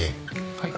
はい。